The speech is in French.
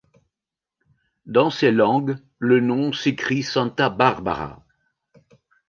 Dans ces langues, le nom s'écrit Santa Bárbara.